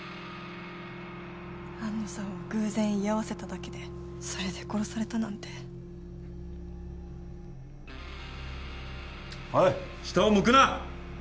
安野さんは偶然居合わせただけでそれで殺されたなんてオイ下を向くな！